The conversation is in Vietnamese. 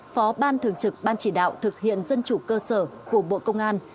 phó ban thường trực ban chỉ đạo thực hiện dân chủ cơ sở của bộ công an